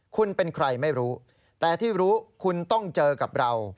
คุณเป็นใครไม่รู้แต่ที่รู้คุณต้องเจอกับเรา